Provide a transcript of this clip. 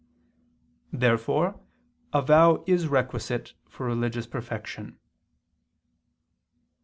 Therefore a vow is requisite for religious perfection.